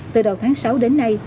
từ đầu tháng sáu đến nay